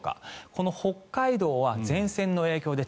この北海道は前線の影響で